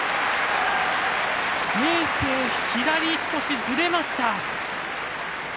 明生、左、少しずれました。